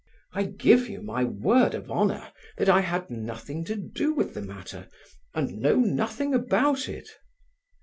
"I give you my word of honour that I had nothing to do with the matter and know nothing about it."